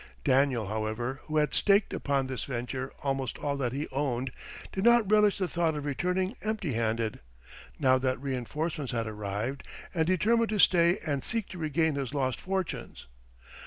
Daniel, however, who had staked upon this venture almost all that he owned, did not relish the thought of returning empty handed, now that reenforcements had arrived, and determined to stay and seek to regain his lost fortunes.